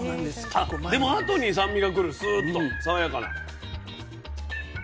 でもあとに酸味がくるスーッと爽やかな。